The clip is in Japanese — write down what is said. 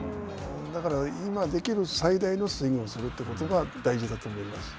だから、今できる最大のスイングをするということが大事だと思い